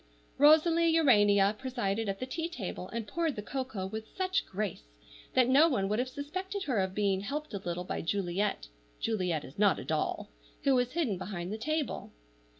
Rosalie Urania presided at the tea table, and poured the cocoa with such grace that no one would have suspected her of being helped a little by Juliet (Juliet is not a doll), who was hidden behind the table.